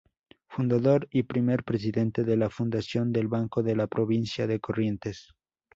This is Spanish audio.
Fundador y primer presidente de la Fundación del Banco de la provincia de Corrientes.